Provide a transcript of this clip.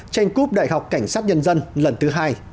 tranh cúp đại học cảnh sát nhân dân lần thứ hai